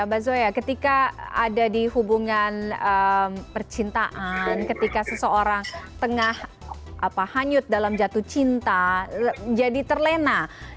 mbak zoya ketika ada di hubungan percintaan ketika seseorang tengah hanyut dalam jatuh cinta jadi terlena